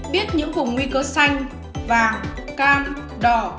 biết những vùng nguy cơ xanh vàng cam đỏ